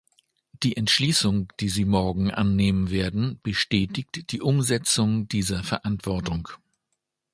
Die Entschließung, die Sie morgen annehmen werden, bestätigt die Umsetzung dieser Verantwortung.